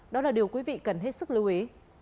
đó là điều quý vị cần hết sức lưu ý